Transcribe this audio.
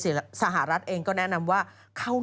พี่ชอบแซงไหลทางอะเนาะ